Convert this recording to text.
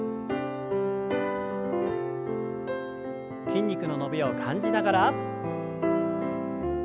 筋肉の伸びを感じながら。